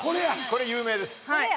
これ有名です